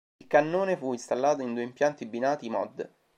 Il cannone fu installato in due impianti binati "Mod.